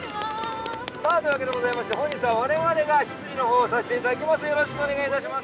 さあ、というわけでございまして本日は我々が執事のほうをさせていただきます。